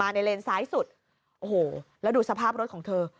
เลนซ้ายสุดโอ้โหแล้วดูสภาพรถของเธอ